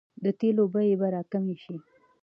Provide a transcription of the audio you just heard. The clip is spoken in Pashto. د تیلو بیې به راکمې شي؟